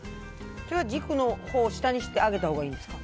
それは軸を下にして揚げたほうがいいんですか？